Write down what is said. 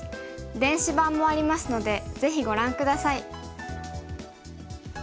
電子版もありますのでぜひご覧下さい。